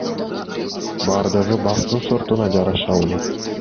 Бардыгы бактын сортуна жараша болот.